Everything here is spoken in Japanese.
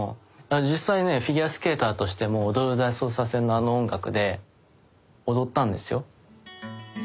実際ねフィギュアスケーターとしても「踊る大捜査線」のあの音楽で踊ったんですよ。